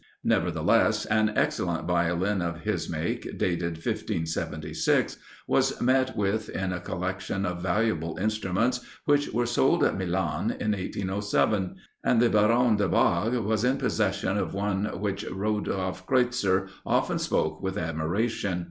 Nevertheless, an excellent Violin of his make, dated 1576, was met with in a collection of valuable instruments which were sold at Milan in 1807; and the Baron de Bagge was in possession of one of which Rodolphe Kreutzer often spoke with admiration.